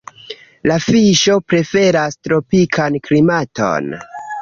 La fiŝo preferas tropikan klimaton.